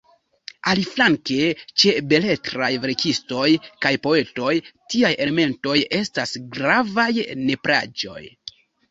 Aliflanke, ĉe beletraj verkistoj kaj poetoj, tiaj elementoj estas gravaj nepraĵoj.